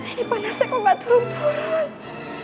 ini panas aku mbak turun turun